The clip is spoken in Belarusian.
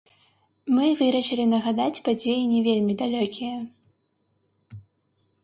Мы вырашылі нагадаць падзеі не вельмі далёкія.